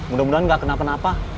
mudah mudahan gak kena penapa